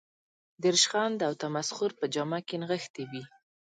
د رشخند او تمسخر په جامه کې نغښتې وي.